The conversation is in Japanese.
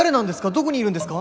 どこにいるんですか？